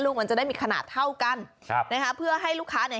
มันจะได้มีขนาดเท่ากันครับนะคะเพื่อให้ลูกค้าเนี่ย